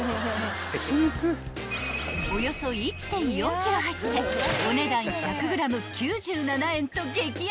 ［およそ１．４ｋｇ入ってお値段１００ｇ９７円と激安］